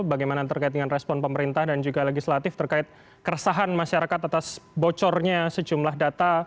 bagaimana terkait dengan respon pemerintah dan juga legislatif terkait keresahan masyarakat atas bocornya sejumlah data